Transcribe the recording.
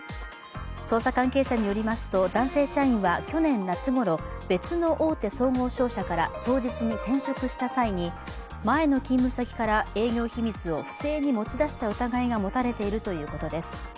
捜査関係者によりますと男性社員は去年夏ごろ別の大手総合商社から双日に転職した際に、前の勤務先から営業秘密を不正に持ち出した疑いが持たれているということです。